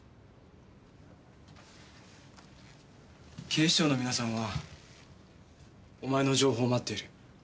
警視庁の皆さんはお前の情報を待っている。